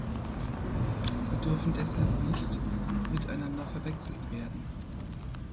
Sie dürfen deshalb nicht miteinander verwechselt werden.